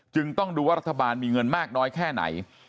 ต้องดูว่ารัฐบาลมีเงินมากน้อยแค่ไหน